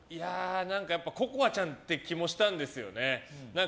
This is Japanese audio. ココアちゃんっていう気もしたんですよね。